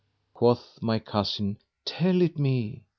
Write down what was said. Quoth my cousin, "Tell it me."